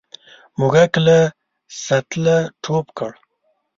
موږک له سطله ټوپ کړ.